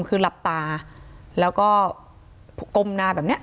คือหลับตาแล้วก็ก้มหน้าแบบนี้